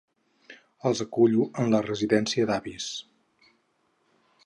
Els acullo en la residència d'avis.